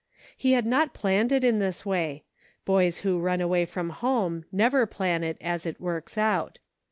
He had not planned it in this way ; boys who run away from home never plan it as it works out.